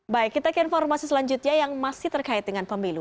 baik kita ke informasi selanjutnya yang masih terkait dengan pemilu